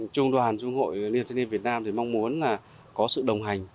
trung đoàn trung hội liên thanh niên việt nam mong muốn có sự đồng hành